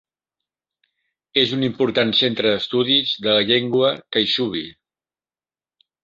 És un important centre d'estudis de la llengua caixubi.